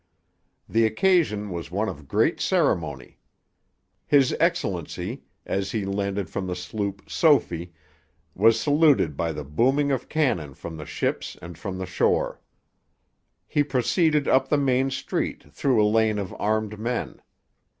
The occasion was one of great ceremony. His Excellency, as he landed from the sloop Sophie, was saluted by the booming of cannon from the ships and from the shore. He proceeded up the main street, through a lane of armed men.